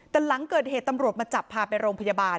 แต่หลังเกิดเหตุตำรวจมาจับพาไปโรงพยาบาล